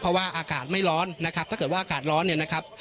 เพราะว่าอากาศไม่ร้อนนะครับถ้าเกิดว่าอากาศร้อนเนี่ยนะครับ